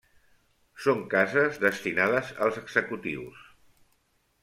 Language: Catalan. Són cases destinades als executius.